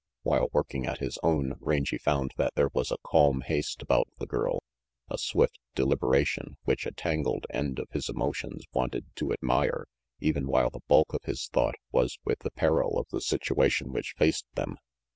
While working at his own, Rangy found that there was a calm haste about the girl, a swift deliberation which a tangled end of his emotions wanted to admire even while the bulk of his thought was with the peril of the situation which faced them.